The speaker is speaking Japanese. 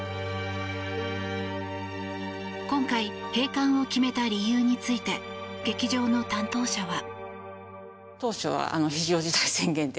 今回、閉館を決めた理由について劇場の担当者は。